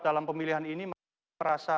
dalam pemilihan ini merasa